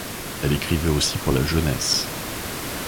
Elle écrivait aussi pour la jeunesse.